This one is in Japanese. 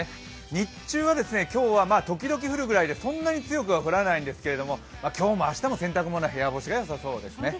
日中は、ときどき降るぐらいで強くは降らないんですけど今日も明日も洗濯物は部屋干しがよさそうですね。